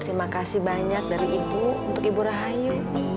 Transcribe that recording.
terima kasih banyak dari ibu untuk ibu rahayu